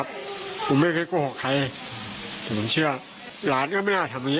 ผมไม่เคยโกหกใครผมเชื่อหลานก็ไม่น่าทำอย่างงี